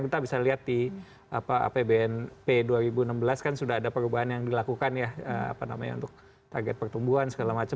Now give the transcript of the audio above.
kita bisa lihat di apbnp dua ribu enam belas kan sudah ada perubahan yang dilakukan ya apa namanya untuk target pertumbuhan segala macam